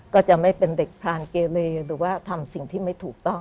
ก็จะไม่เป็นเด็กพรานเกเลหรือว่าทำสิ่งที่ไม่ถูกต้อง